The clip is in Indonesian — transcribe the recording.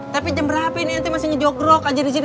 tapi jam berapa ini ente masih ngejogrok aja disini